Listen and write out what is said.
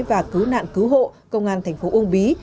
và cứu nạn cứu hộ công an thành phố uông bí